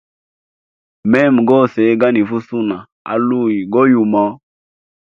Mema gose ganifa usuna aluyi go yuma.